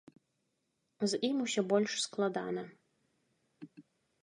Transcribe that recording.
З ім усё больш складана.